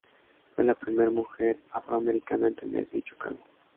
Fue la primera mujer afroamericana en tener dicho cargo.